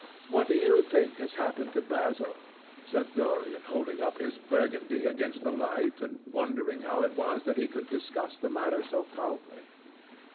"What do you think has happened to Basil?" asked Dorian, holding up his Burgundy against the light and wondering how it was that he could discuss the matter so calmly.